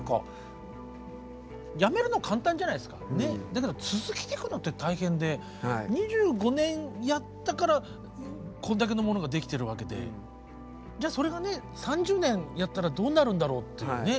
だけど続けていくのって大変で２５年やったからこれだけのものができてるわけでじゃそれがね３０年やったらどうなるんだろうっていうね